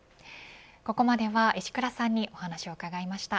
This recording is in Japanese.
ここまでは石倉さんにお話を伺いました。